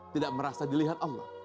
tidak merasa dilihat allah